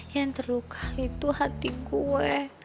yang terluka itu hati kue